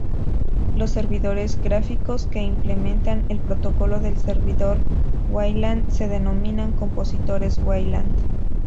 Los servidores gráficos que implementan el protocolo de servidor Wayland se denominan Compositores Wayland.